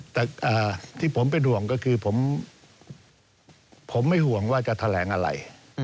แต่ที่ผมเป็นห่วงก็คือผมไม่ห่วงว่าจะแถลงอะไร